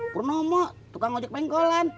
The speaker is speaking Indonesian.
purnomo tukang ojak pengkolan